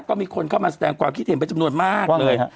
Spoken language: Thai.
ก็มีคนเข้ามาแสดงความคิดเห็นเป็นจำนวนมากเลยฮะ